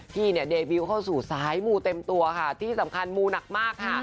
พี่เนี่ยเดบิวเข้าสู่สายมูเต็มตัวค่ะที่สำคัญมูหนักมากค่ะ